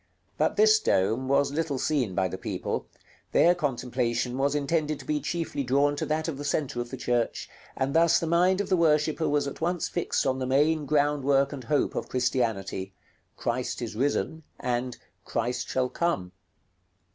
But this dome was little seen by the people; their contemplation was intended to be chiefly drawn to that of the centre of the church, and thus the mind of the worshipper was at once fixed on the main groundwork and hope of Christianity, "Christ is risen," and "Christ shall come."